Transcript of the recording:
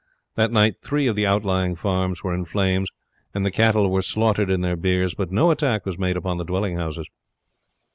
That night three of the outlying farms were in flames, and the cattle were slaughtered in their byres, but no attack was made upon the dwelling houses.